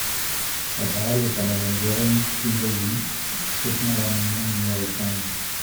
La parole est à Madame Véronique Louwagie, pour soutenir l’amendement numéro quinze.